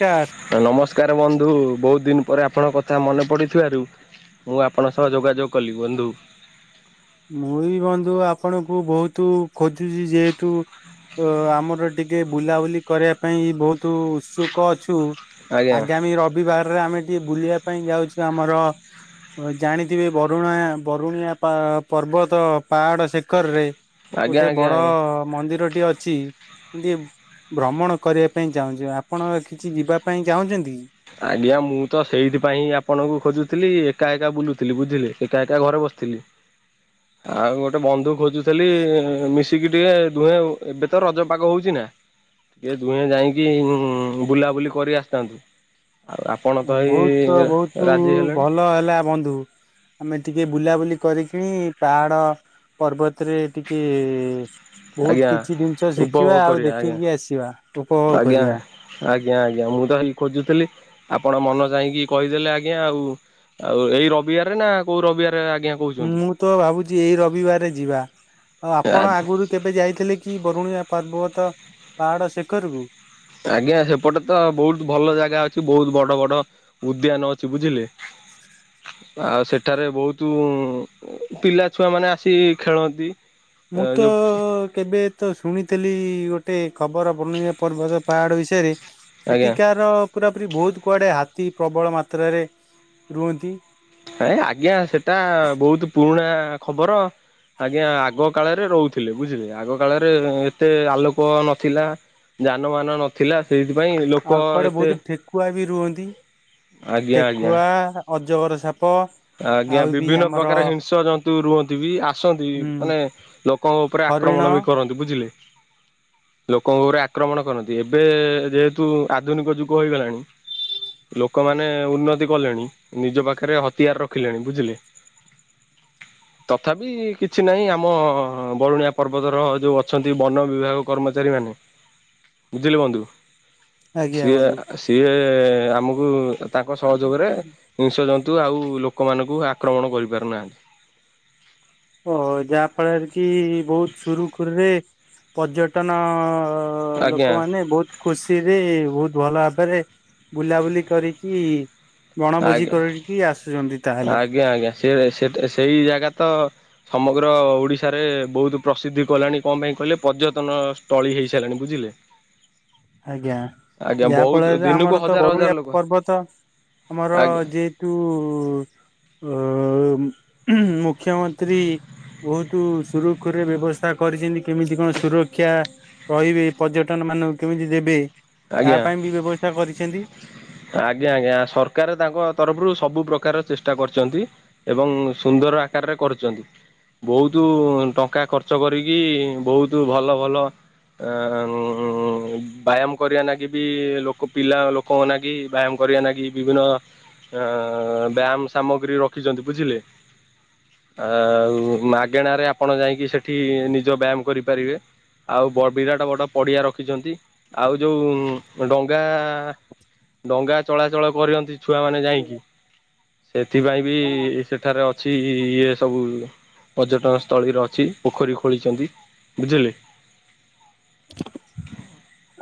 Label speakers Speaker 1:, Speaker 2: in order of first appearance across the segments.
Speaker 1: Car
Speaker 2: ନମସ୍କାର ବନ୍ଧୁ ବହୁତ ଦିନ ପରେ ଆପଣ କଥା ମନେ ପଡ଼ିଥିବାରୁ ମୁଁ ଆପଣଙ୍କ ସହ ଯୋଗାଯୋଗ କଲିି ବନ୍ଧୁ।
Speaker 1: ମୁଁ ବି ବନ୍ଧୁ ଆପଣଙ୍କୁ ବୋହୁତୁ ଖୋଜୁଚି ଯେହେତୁ ତ ଆମର ଟିକେ ବୁଲାବୁଲି କରିବା ପାଇଁ ବହୁ ତୁ ଉତ୍ସୁକ ଅଛୁ
Speaker 2: ଆଜ୍ଞା
Speaker 1: ଆଗାମୀ ରବିବା ରେ ଆମେ ଟିକେ ବୁଲିବା ପାଇଁ ଯାଉଚୁ ଆମର ଅ ଜାଣିଥିବେ ବରୁଣା ବରୁଣିଆ ପା ପର୍ବତ ପାହାଡ଼ ଶିଖରରେ
Speaker 2: ଆଜ୍ଞା
Speaker 1: ଗୋଟେ
Speaker 2: ଆଜ୍ଞା
Speaker 1: ବଡ଼
Speaker 2: ଆଜ୍ଞା
Speaker 1: ମନ୍ଦିରଟି ଅଛି। ମୁଁ ଟିଏ ଭ୍ରମଣ କରିବା ପାଇଁ ଚାହୁଁଚି ଆପଣ କିଛି ଯିବା ପାଇଁ ଚାହୁଁଚନ୍ତି?
Speaker 2: ଆଜ୍ଞା ମୁଁ ତ ସେଇଥିପାଇଁ ହିଁ ଆପଣଙ୍କୁ ଖୋଜୁଥିଲି ଏକା ଏକା ବୁଲୁଥିଲି ବୁଝିଲେ ଏକା ଏକା ଘରେ ବସିଥିଲି। [inaudible] ଆଉ ଗୋଟେ ବନ୍ଧୁ ଖୋଜୁଥେଲି ମିଶିକି ଟିଏ ଦୁହେଁ ଏବେ ତ ରଜ ପାଗ ହୋଉଚି ନାଁ। ଇଏ ଦୁହେଁ ଯାଇକି ବୁଲାବୁଲି କରି ଆସିଥାନ୍ତୁ। ଆଉ ଆ
Speaker 1: ନା ବୋହୁତ ବହୁତୁ ଭଲ ହେଲା ବନ୍ଧୁ। ଆମେ ଟିକେ ବୁଲାବୁଲି କରିକି ପାହାଡ଼ ପର୍ବତରେ ଟିକେ
Speaker 2: ଆଜ୍ଞା
Speaker 1: ବୋହୁତ କିଛି ଦିନିଷ
Speaker 2: ଉପଭୋଗ
Speaker 1: ଶିଖିବା ଆଉ
Speaker 2: କରିବା ଆଜ୍ଞା
Speaker 1: ଦେଖିକି ଆସିବା ଉପଭୋଗ
Speaker 2: ଆଜ୍ଞା
Speaker 1: କରିବା।
Speaker 2: ଆଜ୍ଞା ଆଜ୍ଞା ମୁଁ ତ ହେଲି ଖୋଜୁଥିଲି ଆପଣ ମନ ଚାହିଁକି କହିଦେଲେ ଆଜ୍ଞା ଆଉ। ଆଉ ଏଇ ରବିବାରରେ ନାଁ କୋଉ ରବିବାରେ ଆଜ୍ଞା କହୁଛନ୍ତି?
Speaker 1: ମୁଁ ତ ଭାବୁଚି ଏଇ ରବିବାରେ ଯିବା ଆଉ ଆପଣ ଆଗୁରୁ କେବେ ଯାଇଥିଲେ କି ବରୁଣିଆ ପାର୍ବତ ପାହାଡ଼ ଶେଖରକୁ?
Speaker 2: ଆଜ୍ଞା ସେପଟେ ତ ବହୁତ ଭଲ ଜାଗା ଅଛି ବହୁତ ବଡ଼ ବଡ଼ ଉଦ୍ୟାନ ଅଛି ବୁଝିଲେ ଆଉ ସେଠାରେ ବହୁତୁ ପିଲା ଛୁଆମାନେ ଆସିି ଖେଳନ୍ତି।
Speaker 1: ମୁଁ ତ
Speaker 2: ଯୋଉ
Speaker 1: କେବେ ତ ଶୁଣିଥିଲି ଗୋଟେ ଖବର ବରୁଣିଆ ପର୍ବତ ପାହାଡ଼ ବିଷୟରେ
Speaker 2: ଆଜ୍ଞା
Speaker 1: ହେଠିକାର ପରାପୁରି ବୋହୁତ କୁଆଡ଼େ ହାତୀ ପ୍ରବଳ ମାତ୍ରାରେ ରୁହନ୍ତି।
Speaker 2: ହେ ଆଜ୍ଞା ସେଟା ବହୁତ ପୁରୁଣା ଖବର। ଆଜ୍ଞା ଆଗ କାଳରେ ରହୁଥିଲେ ବୁଝିଲେ ଆଗ କାଳରେ ଏତେ ଆଲୋକ ନଥିଲା। ଯାନବାହାନ ନ ଥିଲା ସେହିତିପାଇଁ ଲୋକ
Speaker 1: ଆଉ କୁଆଡେ
Speaker 2: ଏତେ
Speaker 1: ବହୁତ ଠେକୁଆ ବି ରୁହନ୍ତି
Speaker 2: ଆଜ୍ଞା ଆଜ୍ଞା।
Speaker 1: ଠେକୁଆ ଅଜଗର ସା ପ
Speaker 2: ଆଜ୍ଞା ବିଭିନ୍ନ ପ୍ରକାର ହିଂସ ଜନ୍ତୁ ରୁହନ୍ତି ବି ଆସନ୍ତି
Speaker 1: ଉଁ
Speaker 2: ମାନେ ଲୋକଙ୍କ ଉପରେ
Speaker 1: ହରିଣ
Speaker 2: ଆକ୍ରମଣ ବି କରନ୍ତି, ବୁଝିଲେ? ଲୋକଙ୍କ ଓପରେ ଆକ୍ରମଣ କରନ୍ତି ଏବେ ଯେହେତୁ ଆଧୁନିକ ଯୁଗ ହେଇଗଲାଣି ଲୋକମାନେ ଉନ୍ନତି କଲେଣି ନିଜ ପାଖରେ ହତିଆର ରଖିଲେଣି ବୁଝିଲେ। ହ। ତଥାପି କିଛି ନାହିଁ ଆମ ବରୁଣିଆ ପର୍ବତର ଯୋଉ ଅଛନ୍ତି ବନ ବିଭାଗ କର୍ମଚାରୀ ମାନେ ବୁଝିଲେ ବନ୍ଧୁ।
Speaker 1: ଆଜ୍ଞା
Speaker 2: ସିଏ
Speaker 1: ବନ୍ଧୁ।
Speaker 2: ସିଏ ଆମକୁ ତାଙ୍କ ସହଯୋଗରେ ହିସ୍ରଜନ୍ତୁ ଆଉ ଲୋକମାନଙ୍କୁ ଆକ୍ରମଣ କରିପାରୁନାହାନ୍ତି।
Speaker 1: ଓ ଯାହା ଫଳରେ କି ବହୁତ ସୁରୁଖୁରୁରେ ପର୍ଯ୍ୟଟନ ଅ
Speaker 2: ଆଜ୍ଞା
Speaker 1: ଲୋକମାନେ ବହୁତ ଖୁସିରେ ବହୁତ ଭଲ ଭାବରେ ବୁଲାବୁଲି କରିକି? ବଣଭୋଜି
Speaker 2: ଆଜ୍ଞା
Speaker 1: କରିକି ଆସୁଛନ୍ତି ତାହେଲେ।
Speaker 2: ସେଏ ସେଟ ସେଇ ଜାଗା ତ ସମଗ୍ର ଓଡ଼ିଶାରେ ବହୁତ ପ୍ରସିଦ୍ଧି କଲାଣି କଣ ପାଇଁ କହିଲେ ପର୍ଯ୍ୟଟନ ସ୍ଥଳୀ ହୋଇଇସାରିଲାଣି ବୁଝିଲେ ହ
Speaker 1: ଆଜ୍ଞା ଯାହା ଫଳରେ
Speaker 2: ଦିନକୁ
Speaker 1: ଆମର ତ
Speaker 2: ହଜାର ହଜାର
Speaker 1: ବରୁଳିଆ
Speaker 2: ଲୋକ
Speaker 1: ପର୍ବତ ଆମର
Speaker 2: ଆଜ୍ଞା
Speaker 1: ଯେ ତୁ ଅ ମୁଖ୍ୟମନ୍ତ୍ରୀ ବହୁତ ସୁରୁଖୁରୁରେ ବ୍ୟବସ୍ଥା କରିଚନ୍ତି କେମିତି କଣ ସୁରକ୍ଷା ରହିବେ ପର୍ଯ୍ୟଟନ ମାନଙ୍କୁ କେମିତି ଦେବେ ତା
Speaker 2: ଆଜ୍ଞା
Speaker 1: ପାଇଁ ବି ବ୍ୟବସ୍ଥା କରିଚନ୍ତି।
Speaker 2: ଆଜ୍ଞା ଆଜ୍ଞା ସରକାର ତାଙ୍କ ତରଫରୁ ସବୁ ପ୍ରକାର ଚେଷ୍ଟା କରିଚନ୍ତି। ଏବଂ ସୁନ୍ଦର ଆକାରରେ କରୁଚନ୍ତି। ବହୁତ ଟଙ୍କା ଖର୍ଚ୍ଚ କରିକି ବହୁତ ଭଲ ଭଲ ଏ ମ ଉ ଵାୟାମ୍ କରିବା ଲାଗି ବି ଲୋକ ପିଲା ଲୋକଙ୍କ ନାଗି ବ୍ୟାୟାମ କରିବା ଲାଗି ବିଭିନ୍ନ ଆ ବ୍ୟାୟାମ ସାମଗ୍ରୀ ରଖିଚନ୍ତି ବୁଝିଲେ। ଆ ଆଉ ମାଗେଣା ରେ ଆପଣ ଯାଇକି ସେଠି ନିଜ ବ୍ୟାୟାମ କରିପାରିବେ। ଆଉ ବ ବିରାଟା ବଡ଼ ପଡିଆ ରଖିଚନ୍ତି ଆଉ ଯୋଉ ଡଙ୍ଗା ଡଙ୍ଗା ଚଳାଚଳ କରିଅନ୍ତି ଛୁଆମାନେ ଯାଇକି ସେଥିପାଇଁ ବି ସେ ଏଠାରେ ଅଛି ଇଏ ସବୁ ପର୍ଯ୍ୟଟନ ସ୍ଥଳୀରେ ଅଛି ପୋଖରୀ ଖୋଳିଛନ୍ତି। ବୁଝିଲେ?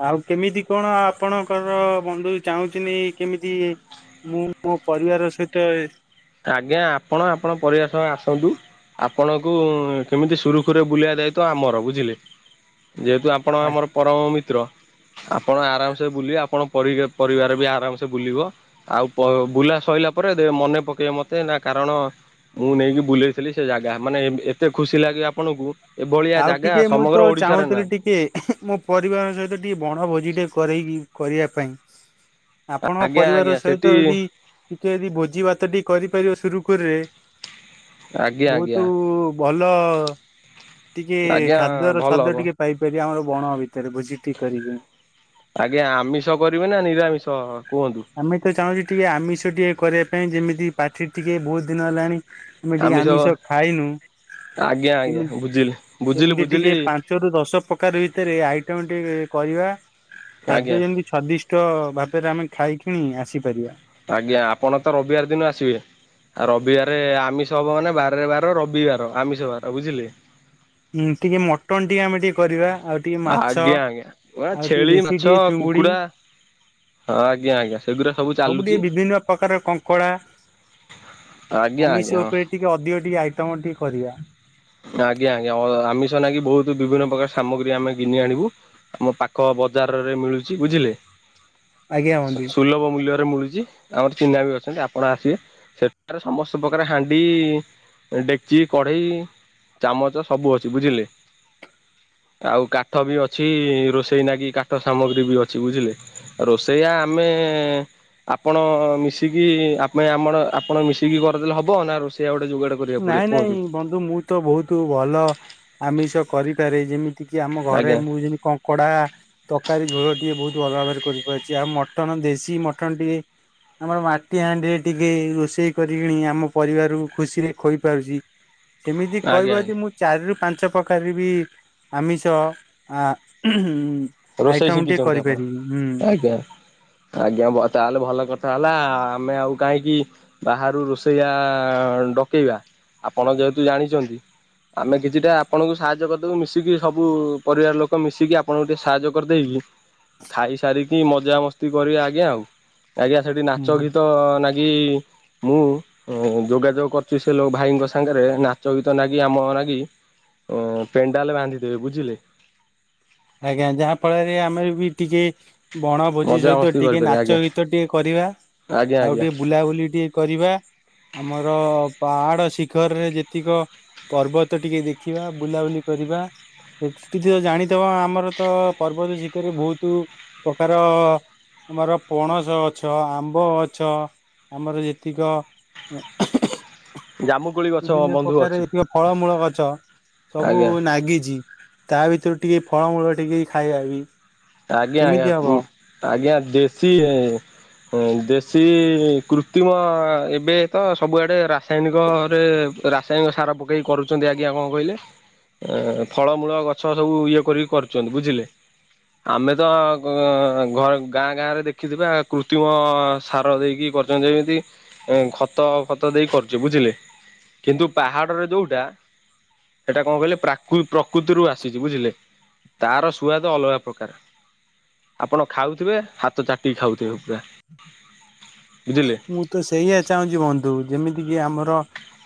Speaker 1: ଆଉ କେମିତି କଣ ଆପଣଙ୍କର ବନ୍ଧୁ ଚାହୁଁଚନ୍ତି କେମିତି ମୁଁ ମୋ ପରିବାର ସହିତ
Speaker 2: ଆଜ୍ଞା ଆପଣ ଆପଣ ପରିବାର ସ ଆସନ୍ତୁ। ଆପଣଙ୍କୁ କେମିତି ସୁରୁଖୁରୁରେ ବୁଲେଇବା ଦାୟିତ୍ୱ ଆମର ବୁଝିଲେ। ଯେହେତୁ ଆପଣ ଆମର ପରମ ମିତ୍ର। ଆପଣ ଆରାମସେ ବୁଲିଏ ଆପଣ ପରି ପରିବାର ବି ଆରାମସେ ବୁଲିବ। ଆଉ ପ ବୁଲା ସଇଲା ପରେ ଦେ ମନେ ପକେ ଏ ମୋତେ ନା କାରଣ ମୁଁ ନେଇକି ବୁଲେଇଥିଲି ସେ ଜାଗା ମାନେ ଏମ ଏତେ ଖୁସି ଲାଗେ ଆପଣଙ୍କୁ ଏଭଳିଆ
Speaker 1: ଆଉ
Speaker 2: ଜାଗା
Speaker 1: ଟିକେ ମୁଁ
Speaker 2: ସମଗ୍ର
Speaker 1: ତ
Speaker 2: ଓଡିଶାରେ ନା
Speaker 1: ଚାହୁଁଥିଲି ଟିକେ ମୋ ପରିବାର ସହିତ ଟିକେ ବଣ ଭୋଜି ଟେ କରେଇକି କରିବା ପାଇଁ। ଆପଣଙ୍କ
Speaker 2: ଆଜ୍ଞା
Speaker 1: ପରିବାର
Speaker 2: ଆଜ୍ଞା ସେଠି
Speaker 1: ସହିତ ଯଦି ଟିକେ ଯଦି ଭୋଜି ଭାତଟି କରିପାରିବ ସୁରୁଖୁରୁରେ
Speaker 2: ଆଜ୍ଞା ଆଜ୍ଞା
Speaker 1: ବହୁତୁ ଭଲ ଟିକେ
Speaker 2: ଆଜ୍ଞା
Speaker 1: ଖାଦ୍ୟର
Speaker 2: ଭଲ
Speaker 1: ସ୍ୱାଦ
Speaker 2: ହବ
Speaker 1: ଟିକେ ପାଇପାରିବେ ଆମର ବଣ ଭିତରେ ଭୋଜି ଟିକେ କରିକି।
Speaker 2: ଆଜ୍ଞା ଆମିଷ କରିବେ ନା ନିରାମିଷ କୁହନ୍ତୁ?
Speaker 1: ଆମେ ତ ଚାହୁଁଚୁ ଟିକେ ଆମିଷ ଟିକେ କରିବା ପାଇଁ ଯେମିତି ପାଟି ଟିକେ ବହୁତ ଦିନ ହେଲାଣି ଆମେ ଟିକେ ଆମିଷ ଖାଇନୁ
Speaker 2: ଆଜ୍ଞା ଆଜ୍ଞା
Speaker 1: କେମି
Speaker 2: ବୁଝିଲି ବୁଝିଲି
Speaker 1: କେମିତି ଟିକେ
Speaker 2: ବୁଝିଲି
Speaker 1: ପା ଞ୍ଚ ରୁ ଦଶ ପ୍ରକାର ଭିତରେ ଆଇଟମ ଟେ କରିବା। ଖାଦ୍ୟ
Speaker 2: ଆଜ୍ଞା
Speaker 1: ଯେମିତି ସ୍ଵାଦିଷ୍ଟ ଭାବରେ ଆମେ ଖାଇ କିିଣି ଆସିପାରିବା।
Speaker 2: ଆଜ୍ଞା ଆପଣ ତ ରବିବାର ଦିନ ଆସିବେ। ରବିବାର ଆମିଷ ହବ ମାନେ ବାରରେ ବାର ରବିବାର ଆମିଷ ବାର। ବୁଝିଲେ?
Speaker 1: ହୁଁ ଟିକେ ମଟନ ଟିକେ ଆମେ ଟିକେ କରିବା ଆଉ ଟିକେ ମାଛ
Speaker 2: ଆଜ୍ଞା ଆଜ୍ଞା ମ
Speaker 1: ଆଉ ଟିକେ
Speaker 2: ଛେଳି,
Speaker 1: ଦେଶୀ
Speaker 2: ମାଛ,
Speaker 1: ଟିକେ ଚୁଙ୍ଗୁଡି
Speaker 2: କୁକୁଡା ହଁ ଆଜ୍ଞା ଆଜ୍ଞା ସେଗୁୁରା ସବୁ
Speaker 1: ଟିକେ
Speaker 2: ଚାଲୁଚି।
Speaker 1: ବିଭିନ୍ନ ପ୍ରକାର କଙ୍କଡା
Speaker 2: ଆଜ୍ଞା।
Speaker 1: ଇଷ
Speaker 2: ଆଜ୍ଞା ହଁ
Speaker 1: ଉପରେ ଟିକେ ଅଧିକ ଟିକେ ଆଇଟମ ଟିକେ କରିବା।
Speaker 2: ଆଜ୍ଞା ଆଜ୍ଞା ଅ-ଆମିଷ ନାଗି ବହୁତ ବିଭିନ୍ନ ପ୍ରକାର ସାମଗ୍ରୀ ଆମେ ଘିନି ଆଣିବୁ। ଆମ ପାଖ ବଜାରରେ ମିଳୁଛି ବୁଝିଲେ।
Speaker 1: ଆଜ୍ଞା ବନ୍ଧୁ
Speaker 2: ସୁଲଭ ମୂଲ୍ୟରେ ମିଳୁଚି। ଆମର ଚିହ୍ନା ବି ଅଛନ୍ତି ଆପଣ ଆସିବେ ସେଠାରେ ସମସ୍ତ ପ୍ରକାର ହାଣ୍ଡି ଡେକ୍ଚି, କଡେଇ, ଚାମଚ ସବୁ ଅଛି ବୁଝିଲେ। ଆଉ କାଠ ବି ଅଛି ରୋଷେଇ ନାଗି କାଠ ସାମଗ୍ରୀ ବି ଅଛି ବୁଝିଲେ। ରୋଷେଇଆ ଆମେ ଆପଣ ମିଶିକି ଆମେ ଆମର ଆପଣ ମିଶିକି କରିଦେଲେ ହବ ନା ରୋଷେଇଆ ଗୋଟେ ଯୁଗାଡ
Speaker 1: ନାଇଁ ନାଇଁ ବନ୍ଧୁ ମୁଁ ତ ବହୁତୁ ଭଲ ଆମିଷ କରିପାରେଇ ଯେମି ତିକି ଆମ ଘରେ
Speaker 2: ଆଜ୍ଞା
Speaker 1: ମୁଁ ଯେମି କଙ୍କଡ଼ା ତକାରୀ ଝୋଳ ଟିକେ ବହୁତ ଭଲ ଭାବରେ କରିପାରୁଛି ଆଉ ମଟନ ଦେଶୀ ମଟନ ଟିକେ ଆମର ମାଟି ହାଣ୍ଡିରେ ଟିକେ ରୋଷେଇ କରିକିଣି ଆମ ପରିବାରକୁ ଖୁସିରେ ଖୋଇପାରୁଚି ସେମିତି
Speaker 2: ଆଜ୍ଞା
Speaker 1: କହିବ ଯଦି
Speaker 2: ଆଜ୍ଞା
Speaker 1: ମୁଁ ଚାରିରୁ ପାଞ୍ଚ ପ୍ରକାର ବି ଆମିଷ ଆ ହୁଁ ଉଁ
Speaker 2: ରୋଷେଇ
Speaker 1: ଆଇଟମ ଟିକେ
Speaker 2: ଶିଖିଚନ୍ତି
Speaker 1: କରିପାରିବି
Speaker 2: ଆପଣ। ଆଜ୍ଞା ମ ତାହେଲେ ଭଲ କଥା ହେଲା ଆମେ ଆଉ କାହିଁକି ବାହାରୁ ରୋଷେଇଆ ଡକେଇବା ଆପଣ ଯେହେତୁ ଜାଣିଚନ୍ତି। ଆମେ କିଛିଟା ଆପଣଙ୍କୁ ସାହାଯ୍ୟ କରିଦବୁ ମିଶିକି ସବୁ ପରିବାର ଲୋକ ମିଶିକି ଆପଣଙ୍କ ଟିକେ ସାହାଯ୍ୟ କରିଦେଇକି ଖାଇସାରିକି ମଜାମସ୍ତି କରିବା ଆଜ୍ଞା ଆଉ। ଆଜ୍ଞା ସେଠି
Speaker 1: ହୁଁ।
Speaker 2: ନାଚ ଗୀତ ନାଗି ମୁଁ ଉଁ ଯୋଗାଯୋଗ କରୁଛି ସେ ଲୋ ଭାଇଙ୍କ ସାଙ୍ଗରେ ନାଚ ଗୀତ ନାଗି ଆମ ନାଗି ଉଁ ପେଣ୍ଡାଲ ବାନ୍ଧିଦେବେ ବୁଝିଲେ।
Speaker 1: ଆଜ୍ଞା ଯାହା ଫଳରେ ଆମେ ବି ଟିକେ ବଣଭୋଜି ସହିତ
Speaker 2: ମଜାମସ୍ତି
Speaker 1: ଟିକେ
Speaker 2: କରିପାରିବେ
Speaker 1: ନାଚ
Speaker 2: ଆଜ୍ଞା
Speaker 1: ଗୀତ ଟିକେ କରିବା
Speaker 2: ଆଜ୍ଞା
Speaker 1: ଆଉ
Speaker 2: ଆଜ୍ଞା
Speaker 1: ଟିକେ ବୁଲାବୁଲି ଟିକେ କରିବା ଆମର ପାହାଡ ଶିଖରରେ ଯେତିକ ପର୍ବତ ଟିକେ ଦେଖିବା ବୁଲାବୁଲି କରିବା [unintelligible] ଜାଣି ତେଉଁ ଆମର ତ ପର୍ବତ ଶିକରରେ ବହୁତୁ ପ୍ରକାର ଆମର ପଣସଗଛ, ଆମ୍ବଗଛ ଆମର ଯେତିକ
Speaker 2: ଜାମୁ
Speaker 1: ବିଭିନ୍ନ ପ୍ରକାର ଏତିକ ଫଳମୂଳ ଗଛ ସବୁ
Speaker 2: ଆଜ୍ଞା।
Speaker 1: ନାଗିଚି। ତା ଭିତୁରୁ ଟିକେ ଫଳମୂଳ ଟିକେ ଖାଇବା ବି।
Speaker 2: ଆଜ୍ଞା ଆଜ୍ଞା
Speaker 1: କେମିତି ହବ?
Speaker 2: ଉଁ ଆଜ୍ଞା ଦେଶୀ ଏଁ ଦେଶୀ କୃତିମ ଏବେ ତ ସବୁଆଡେ ରାସ୍ ରାସାୟନିକରେ ରାସାୟନିକ ସାର ପକେଇକି କରୁଚନ୍ତି ଆଜ୍ଞା କଣ କହିଲେ ଏଁ ଫଳମୂଳ ଗଛ ସବୁ ଇଏ କରିକି କରୁଚନ୍ତି ବୁଝିଲେ। ଆମେ ତ ଘ-ଘ ଗାଁ ଗାଁ ରେ ଦେଖିଥିବା କୃତିମ ସାର ଦେଇକି କରି ଯେମିତି ଏ ଖତ ଫତ ଦେଇ କରୁଚି ବୁଝିଲେ। କିନ୍ତୁ ପାହାଡରେ ଯୋଉଟା ସେଟା କଣ କହିଲେ ପ୍ରାକୁ ପ୍ରକୃତିରୁ ଆସିଚି ବୁଝିଲେ ତାର ସୁଆଦ ଅଲଗା ପ୍ରକାର ଆପଣ ଖାଉଥିବେ ହାତ ଚାଟିକି ଖାଉଥିବେ ପୁରା। ବୁଝିଲେ।
Speaker 1: ମୁଁ ତ ସେଇଆ ଚାହୁଁଚି ବନ୍ଧୁ ଯେମିତିକି ଆମର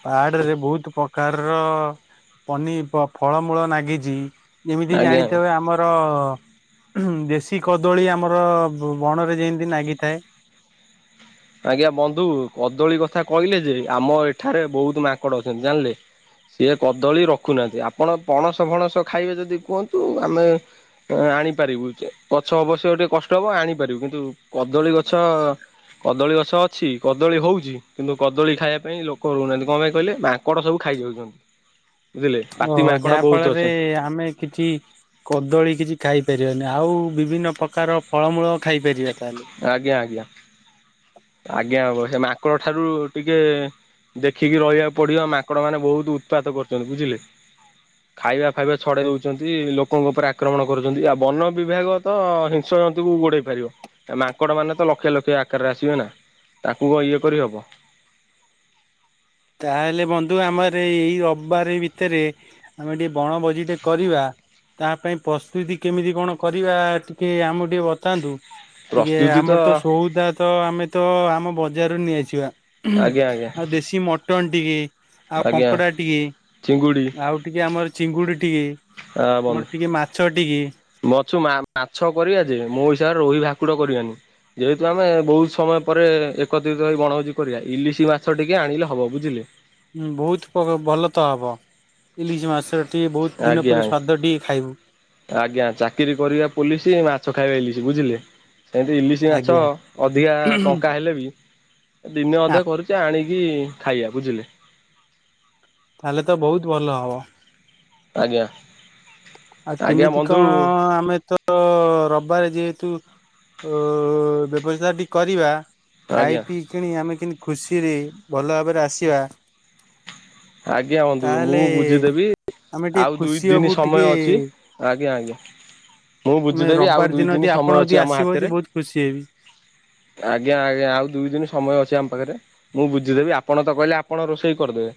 Speaker 1: ପାହାଡେରେ ବହୁତ ପ୍ରକାରର ପନି ପ-ଫଳମୂଳ ନାଗିଚି। ଯେମିତି
Speaker 2: ଆଜ୍ଞା
Speaker 1: ଜାଣିଥେବେ ଆମର ହୁଁ ଦେଶୀ କଦଳୀ ଆମର ବଣରେ ଯେନ୍ତି ନାଗିଥାଏ।
Speaker 2: ଆଜ୍ଞା ବନ୍ଧୁ କଦଳୀ କଥା କହିଲେ ଯେ ଆମ ଏଠାରେ ବହୁତୁ ମାଙ୍କଡ ଅଛନ୍ତି ଜାଣିଲେ। ସିଏ କଦଳୀ ରଖୁ ନାହାଁନ୍ତି ଆପଣ ପଣସ ଫଣସ ଖାଇବେ ଯଦି କୁହନ୍ତୁ ଆମେ ଆଣିପାରିବୁ ଯ ଗଛ ଅବଶ୍ୟ ଟିକେ କଷ୍ଟ ହବ ଆଣି ପାରିବୁ କିନ୍ତୁ କଦଳୀ ଗଛ କଦଳୀ ଗଛ ଅଛି କଦଳୀ ହେଉଛି କିନ୍ତୁ କଦଳୀ ଖାଇବା ପାଇଁ ଲୋକ ରହୁ ନାହାଁନ୍ତି କଣ ପାଇଁ କହିଲେ ମାଙ୍କଡ଼ ସବୁ ଖାଇଯାଉଛନ୍ତି। ବୁଝିଲେ ପାତି ମାଙ୍କଡ ବହୁତ୍ ଅଛନ୍ତି।
Speaker 1: ଏ ଆମେ କିଛି କଦଳୀ କିଛି ଖାଇପାରିବାନି ଆଉ ବିଭିନ୍ନ ପ୍ରକାର ଫଳମୂଳ ଖାଇପାରିବା ତାହେଲେ।
Speaker 2: ଆଜ୍ଞା ଆଜ୍ଞା ଆଜ୍ଞା ହବ ସେ ମାଙ୍କଡ଼ ଠାରୁ ଟିକେ ଦେଖିକି ରହିବାକୁ ପଡିବ ମାଙ୍କଡ ମାନେ ବହୁତ୍ ଉତ୍ପାତ କରୁଛନ୍ତି ବୁଝିଲେ। ଖାଇବା ଫାଇବା ଛଡ଼େଇ ଦଉଛନ୍ତି ଲୋକଙ୍କ ଉପରେ ଆକ୍ରମଣ କରୁଛନ୍ତି ଆଉ ବନ ବିଭାଗ ତ ହିଁ ସ ଜନ୍ତୁକୁ ଗୋଡ଼େଇ ପାରିବ। ମାଙ୍କଡ଼ ମାନେ ତ ଲକ୍ଷେ ଲକ୍ଷେ ଆକାରରେ ଆସିବେ ନା ତାକୁ କଣ ଇଏ କରିହବ।
Speaker 1: ତାହେଲେ ବନ୍ଧୁ ଆମର ଏଇ ରବିବାର ଭିତେରେ ଆମେ ଟିକେ ବଣଭୋଜି ଟେ କରିବା। ତା ପାଇଁ ପ୍ରସ୍ତୁତି କେମିତି କଣ କରିବା ଟିକେ ଆମକୁ ଟିକେ ବତାନ୍ତୁ? ଟିକେ ଆମର ତ ସଉଦାତ ତ ଆମେ ତ ଆମ ବଜାରରୁ ନେଇଆସିବା ହୁଁ
Speaker 2: ଆଜ୍ଞା ଆଜ୍ଞା
Speaker 1: ଆଉ ଦେଶୀ ମଟନ୍ ଟିକେ ଆଉ
Speaker 2: ଆଜ୍ଞା
Speaker 1: କଙ୍କଡା ଟିକେ
Speaker 2: ଚିଙ୍ଗୁଡି
Speaker 1: ଆଉ ଟିକେ ଆମର ଚିଙ୍ଗୁଡି ଟିକେ ଆମର ଟିକେ ମାଛ ଟିକେ।
Speaker 2: ମୋଛୁ ମା ମାଛ କରିବା ଯେ ମୋ ହିସାବରେ ରୋହି ଭାକୁଡ କରିବାନି। ଯେହେତୁ ଆମେ ବହୁତ୍ ସମୟ ପରେ ଏକତ୍ରିତ ହେଇ ବଣଭୋଜି କରିବା ଇଲିଶି ମାଛ ଟିକେ ଆଣିଲେ ହବ ବୁଝିଲେ।
Speaker 1: ହୁଁ ବହୁତ୍ ପ ଭଲ ତ ହବ ଇଲିଶି ମାଛ ଟିକେ ବହୁତ୍ ଦିନ
Speaker 2: ଆଜ୍ଞା
Speaker 1: ପରେ ସ୍ଵାଦ ଟିକେ ଖାଇବୁ।
Speaker 2: ଆଜ୍ଞା ଚାକିରି କରିବା ପୋଲିସି ମାଛ ଖାଇବା ଇଲିଶି ବୁଝିଲେ ସେମିତି ଇଲି ଶି ମାଛ
Speaker 1: ଆଜ୍ଞା।
Speaker 2: ଅଧିକା ଟଙ୍କା ହେଲେ ବି ଦିନେ ଅଧେ କରୁଚେ ଆଣିକି ଖାଇବା ବୁଝିଲେ?
Speaker 1: ତାହେଲେ ତ ବହୁତ୍ ଭଲ ହବ।
Speaker 2: ଆଜ୍ଞା।
Speaker 1: ଆଉ
Speaker 2: ଆଜ୍ଞା
Speaker 1: କେମିତି
Speaker 2: ବନ୍ଧୁ
Speaker 1: କଣ ଆମେ ତ ତ ରବିବାରେ ଯେହେତୁ ଅ ବ୍ୟବସ୍ଥାଟି କରିବା ଖାଇ
Speaker 2: ଆଜ୍ଞା
Speaker 1: ପିଇ କିଣି ଆମେ କେମତି ଖୁସିରେ ଭଲ ଭାବରେ ଆସିବା
Speaker 2: ଆଜ୍ଞା ବନ୍ଧୁ ମୁଁ
Speaker 1: ତାହେଲେ
Speaker 2: ବୁଝିଦେବି
Speaker 1: ଆମେ ଟିକେ
Speaker 2: ଆଉ ଦୁଇ
Speaker 1: ଖୁସି
Speaker 2: ଦିନି
Speaker 1: ହବୁ
Speaker 2: ସମୟ
Speaker 1: ଟିକେ
Speaker 2: ଅଛି। ଆଜ୍ଞା ଆଜ୍ଞା ମୁଁ
Speaker 1: ଆମେ
Speaker 2: ବୁଝିଦେବି ଆଉ
Speaker 1: ରବିବାର
Speaker 2: ଦୁଇ
Speaker 1: ଦିନ ଯଦି
Speaker 2: ଦିନି
Speaker 1: ଆପଣ
Speaker 2: ସମୟ
Speaker 1: ଯଦି
Speaker 2: ଅଛି ଆମ
Speaker 1: ଆସିବ ଯଦି
Speaker 2: ହାତେରେ।
Speaker 1: ବହୁତ ଖୁସି ହେବି
Speaker 2: ଆଜ୍ଞା ଆଜ୍ଞା ଆଉ ଦୁଇ ଦିନି ସମୟ ଅଛି ଆମ ପାଖେରେ। ମୁଁ ବୁଝିଦେବି ଆପଣ ତ କହିଲେ ଆପଣ ରୋଷେଇ କରିଦେବେ।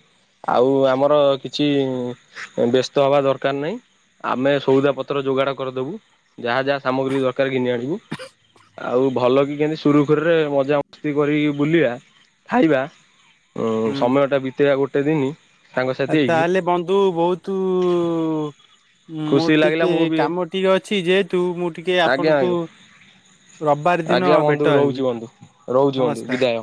Speaker 2: ଆଉ ଆମର କିଛି ବ୍ୟସ୍ତ ହବା ଦରକାର୍ ନାହିଁ। ଆମେ ସଉଦା ପତ୍ର ଯୋଗାଡ଼ କରିଦେବୁ ଯାହା ଯାହା ସାମଗ୍ରୀ ଦରକାର୍ ଘିନି ଆଣିବୁ। ଆଉ ଭଲ କି କେମିତି ସୁରୁ ଖୁରୁରେ ମଜା ମସ୍ତି କରିକି ବୁଲିବା ଖାଇବା ଉଁ ସମୟ ଟା ବିିତେଇବା ଗୋଟେ ଦିନି।
Speaker 1: ଆ ତାହାଲେ ବନ୍ଧୁ ବହୁତୁ ମୁଁ
Speaker 2: ଖୁସି ଲାଗିଲା
Speaker 1: ଟିକେ
Speaker 2: ମୁଁ ବି
Speaker 1: କାମ ଟିକେ ଅଛି ଯେହେତୁ ମୁଁ ଟିକେ
Speaker 2: ଆଜ୍ଞା
Speaker 1: ଆପଣଙ୍କୁ
Speaker 2: ଆଜ୍ଞା
Speaker 1: ରବିବାର ଦିନ
Speaker 2: ଆଜ୍ଞା ବନ୍ଧୁ
Speaker 1: ଭେଟ ହେବି
Speaker 2: ରହୁଛି ବନ୍ଧୁ ରହୁଛି ବନ୍ଧୁ
Speaker 1: ନମସ୍କାର।
Speaker 2: ବିଦାୟ।